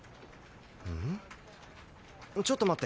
ちょっと待って。